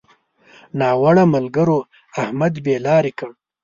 ناوړه ملګرو؛ احمد بې لارې کړ.